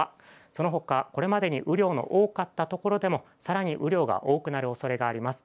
そのほか、これまでに雨量の多かったところでもさらに雨量が多くなるおそれがあります。